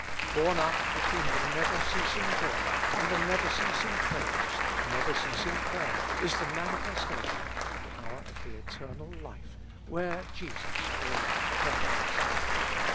Borne up between the never ceasing joy and the never ceasing praise, never ceasing prayer is the manifestation of the power of the eternal Hfe, where Jesus always prays.